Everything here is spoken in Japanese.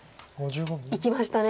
いきましたね。